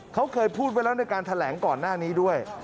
เขาเคยพูดไว้แล้วในการแถลงก่อนหน้านี้ด้วย